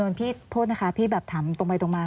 พี่โทษนะคะพี่แบบถามตรงไปตรงมา